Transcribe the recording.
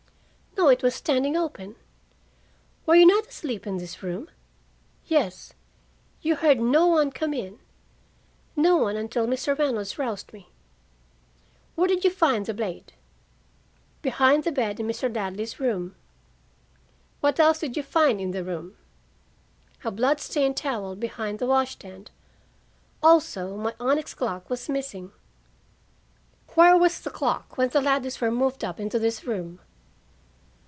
"No. It was standing open." "Were you not asleep in this room?" "Yes." "You heard no one come in?" "No one until Mr. Reynolds roused me." "Where did you find the blade?" "Behind the bed in Mr. Ladley's room." "What else did you find in the room?" "A blood stained towel behind the wash stand. Also, my onyx clock was missing." "Where was the clock when the Ladleys were moved up into this room?"